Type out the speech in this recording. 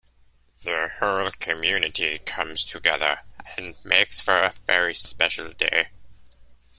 The whole community comes together and makes for a very special day.